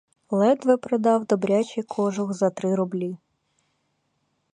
Ледве продав добрячий кожух за три рублі.